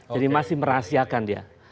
jadi masih merahasiakan dia